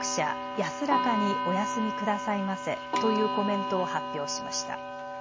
安らかにお休みくださいませというコメントを発表しました。